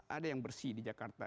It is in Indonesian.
ada yang bersih di jakarta